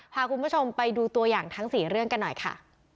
พาคุณผู้ชมไปดูตัวอย่างทั้ง๔เรื่องกันหน่อยค่ะ